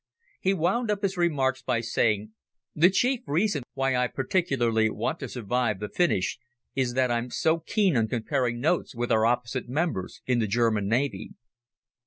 He wound up his remarks by saying, "The chief reason why I particularly want to survive the finish is that I'm so keen on comparing notes with our opposite members in the German Navy."